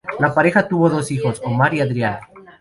La pareja tuvo dos hijos: Omar y Adrián.